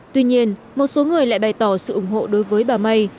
tuy nhiên một số người lại bày tỏ sự ủng hộ đối với bà may